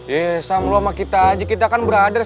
yeh sama lo sama kita aja kita kan berdua ngerah banget